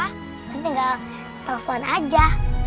kalian tinggal telepon aja